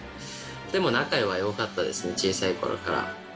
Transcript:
でも仲はよかったですね、小さいころから。